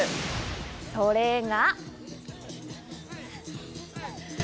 それが。